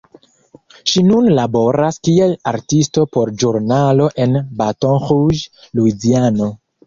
Ŝi nun laboras kiel artisto por ĵurnalo en Baton Rouge, Luiziano.